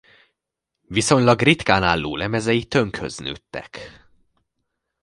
Viszonylag ritkán álló lemezei tönkhöz nőttek.